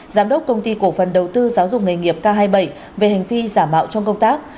giám đốc công ty cổ phần đầu tư giáo dục nghề nghiệp k hai mươi bảy về hành vi giả mạo trong công tác